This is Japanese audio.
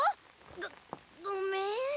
ごごめん。